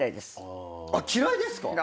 嫌いですか。